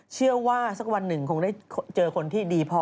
เชื่อว่าสักวันหนึ่งคงได้เจอคนที่ดีพอ